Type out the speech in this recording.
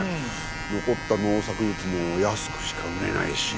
残った農作物も安くしか売れないし。